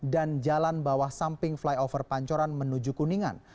dan jalan bawah samping flyover pancoran menuju kuningan